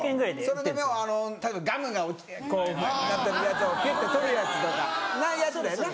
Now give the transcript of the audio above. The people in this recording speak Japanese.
それで例えばガムがこうなってるやつをピュって取るやつとかああいうやつだよな。